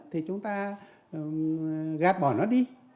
thì chúng ta gạt bỏ nó đi